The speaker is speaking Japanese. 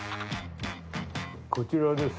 こちらです。